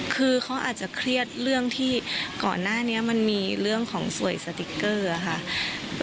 คือเขาอาจจะเครียดเรื่องที่ก่อนหน้านี้มันมีเรื่องของสวยสติ๊กเกอร์ค่ะ